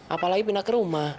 apalagi pindah ke rumah